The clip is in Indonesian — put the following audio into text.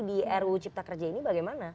di ruu cipta kerja ini bagaimana